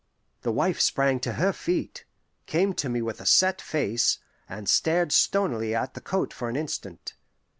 The wife sprang to her feet, came to me with a set face, and stared stonily at the coat for an instant.